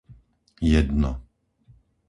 jedno